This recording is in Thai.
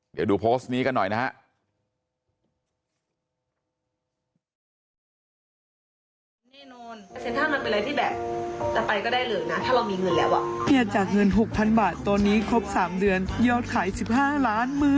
เดี๋ยวดูโพสต์นี้กันหน่อยนะฮะ